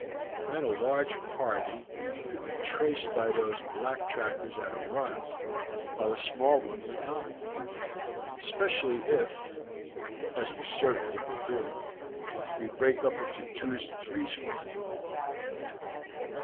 Then a large party could be traced by those black trackers at a run, while a small one would not; especially if, as we certainly will do, we break up into twos and threes for a time.